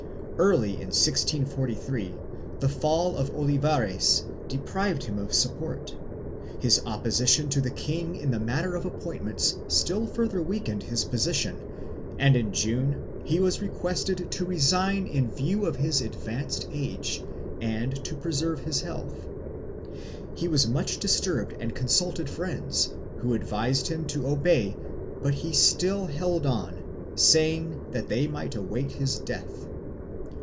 Early in 1643 the fall of Olivares deprived him of support, his oppo sition to the king in the matter of appointments still further weakened his position and in June he was requested to resign in view of his advanced age and to preserve his health. He was much disturbed and consulted friends, who advised him to obey, but he still held on, saying that they might await his death.